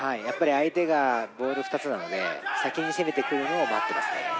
やっぱり相手がボール２つなので先に攻めてくるのを待ってますね